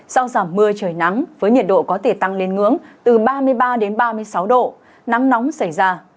sau giảm mưa trời nắng với nhiệt độ có thể tăng lên ngưỡng từ ba mươi ba đến ba mươi sáu độ nắng nóng xảy ra